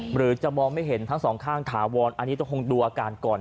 หรือจะมองไม่เห็นทั้งสองข้างถาวรอันนี้ต้องคงดูอาการก่อน